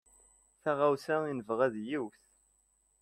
Taɣawsa i nebɣa d yiwet.